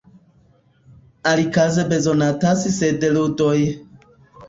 Alikaze bezonatas sep ludoj.